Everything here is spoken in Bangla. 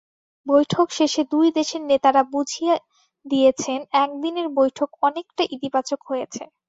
বৈঠক শেষে দুই দেশের নেতারা বুঝিয়ে দিয়েছেন একদিনের বৈঠক অনেকটা ইতিবাচক হয়েছে।